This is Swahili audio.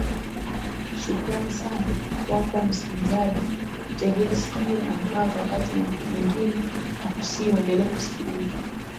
shukrani sana kwako msikilizaji kututegea sikio na mpaka wakati mwengine nakusihi uendelee kusikiza